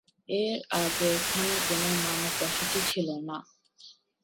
এর আগে এখানে কোন মানব বসতি ছিল না।